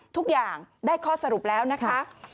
ทุกอย่างได้ข้อสรุปแล้วนะคะ